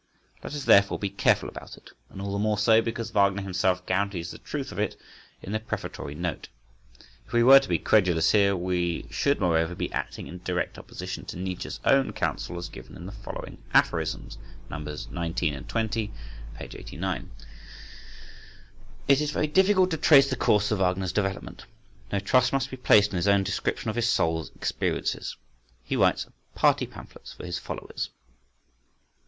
Let us therefore be careful about it, and all the more so because Wagner himself guarantees the truth of it in the prefatory note. If we were to be credulous here, we should moreover be acting in direct opposition to Nietzsche's own counsel as given in the following aphorisms (Nos. 19 and 20, p. 89):— "It is very difficult to trace the course of Wagner's development,—no trust must be placed in his own description of his soul's experiences. He writes party pamphlets for his followers.